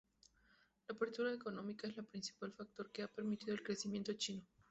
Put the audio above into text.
La apertura económica es el principal factor que ha permitido el crecimiento chino.